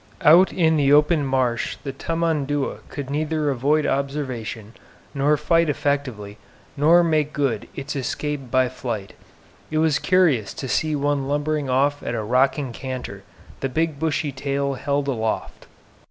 Out in the open marsh the tamandua could neither avoid observation, nor fight effectively, nor make good its escape by flight. It was curious to see one lumbering off at a rocking canter, the big bushy tail held aloft.